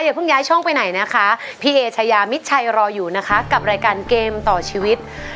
อเพิ่งย้ายช่องไปไหนนะคะพี่เอชายามิดชัยรออยู่นะคะกับรายการเกมต่อชีวิต